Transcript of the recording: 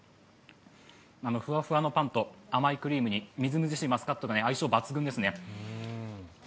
ふわふわのパンと甘いクリームにみずみずしいマスカット、相性抜群ですね。